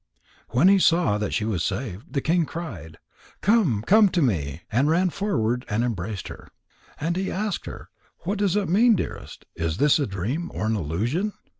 When he saw that she was saved, the king cried: "Come, come to me!" and ran forward and embraced her. And he asked her: "What does it mean, dearest? Is this a dream, or an illusion?"